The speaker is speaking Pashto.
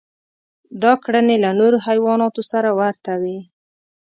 دا کړنې له نورو حیواناتو سره ورته وې.